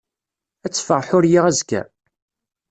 Ad teffeɣ Ḥuriya azekka?